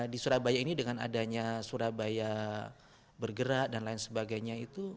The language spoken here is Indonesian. di surabaya ini dengan adanya surabaya bergerak dan lain sebagainya itu